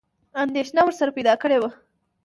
انېدښنه ورسره پیدا کړې وه.